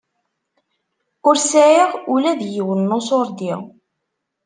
Ur sɛiɣ ula d yiwen n uṣurdi.